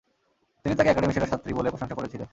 তিনি তাকে একাডেমির সেরা ছাত্রী বলে প্রশংসা করেছিলেন।